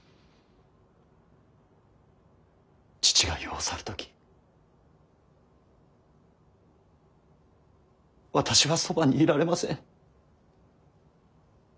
父が世を去る時私はそばにいられません。